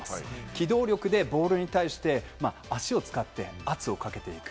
機動力でボールに対して足を使って圧をかけていく。